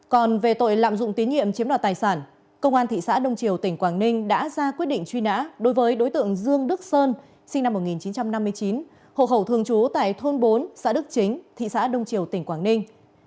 còn về tội lạm dụng tín nhiệm chiếm đoạt tài sản công an thị xã đông triều tỉnh quảng ninh đã ra quyết định truy nã đối với đối tượng dương đức sơn sinh năm một nghìn chín trăm năm mươi chín hộ khẩu thường trú tại thôn bốn xã đức chính thị xã đông triều tỉnh quảng ninh